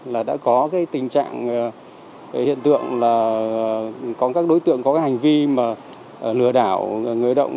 là đã có cái tình trạng hiện tượng là có các đối tượng có cái hành vi mà lừa đảo người động